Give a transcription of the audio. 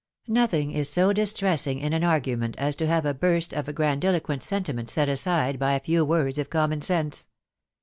Nothing is so distressing in an argument as to have a tact of grandiloquent oentiment set aside by a few wards of taanraon sense.